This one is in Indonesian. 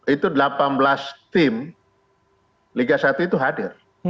itu delapan belas tim liga satu itu hadir